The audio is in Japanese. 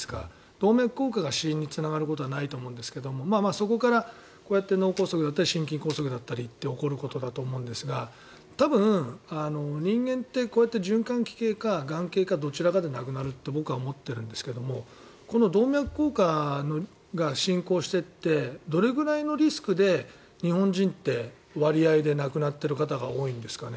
動脈硬化が死因につながることはないと思うんですがそこからこうやって脳梗塞だったり心筋梗塞だったりって起こることだと思うんですが多分、人間ってこうやって循環器系か、がん系かどちらかで亡くなると僕は思っているんですけどこの動脈硬化が進行していってどれぐらいのリスクで日本人って、割合で亡くなっている方が多いんですかね。